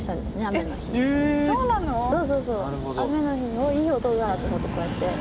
雨の日に「おっいい音だ！」と思ってこうやって。